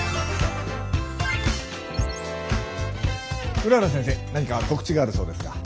うらら先生何か告知があるそうですが。